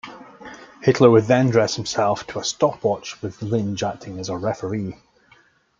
Hitler would then dress himself to a stopwatch with Linge acting as a "referee".